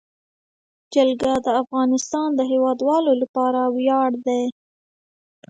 جلګه د افغانستان د هیوادوالو لپاره ویاړ دی.